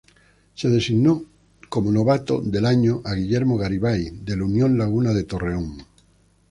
Se designó como novato del año a Guillermo Garibay del Unión Laguna de Torreón.